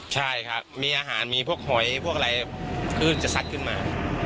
ใช่ครับมีอาหารมีพวกหอยพวกอะไรขึ้นจะซัดขึ้นมา